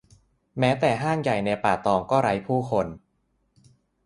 แม้แต่ห้างใหญ่ในป่าตองก็ไร้ผู้คน